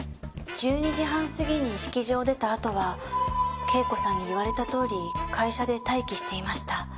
１２時半過ぎに式場を出たあとは圭子さんに言われたとおり会社で待機していました。